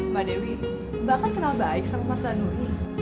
mbak dewi bakat kenal baik sama mas ranuni